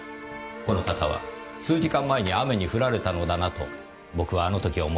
この方は数時間前に雨に降られたのだなと僕はあの時思いました。